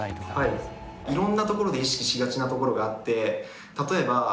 いろんなところで意識しがちなところがあって。